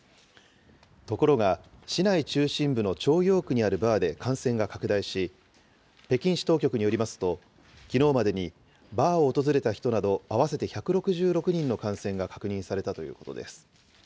ところが、市内中心部の朝陽区にあるバーで感染が拡大し、北京市当局によりますと、きのうまでにバーを訪れた人など、合わせて１６６人の感染が確認されたということです。